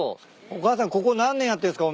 お母さんここ何年やってんすか？